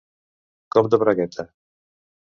Cop de bragueta.